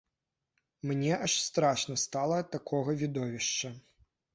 Мне аж страшна стала ад такога відовішча.